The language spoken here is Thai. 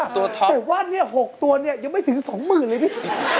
แต่ว่า๖ตัวนี่ยังไม่ถึง๒หมื่นเลยพี่